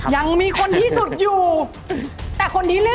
เย้